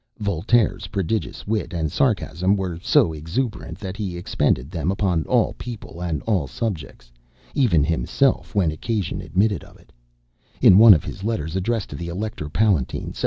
Voltaire's prodigious wit and sarcasm were so exuberant, that he expended them upon all people and all subjects even himself, when occasion admitted of it, In one of his letters, addressed to the Elector Palatine, Sept.